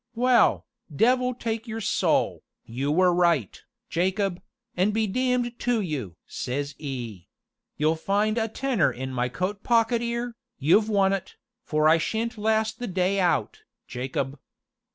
'Well, devil take your soul, you was right, Jacob, an' be damned to you!' says 'e; 'you'll find a tenner in my coat pocket 'ere, you've won it, for I sha'n't last the day out, Jacob.'